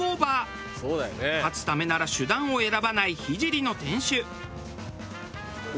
勝つためなら手段を選ばない聖の店主。